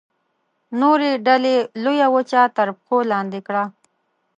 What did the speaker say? نورې ډلې لویه وچه تر پښو لاندې کړه.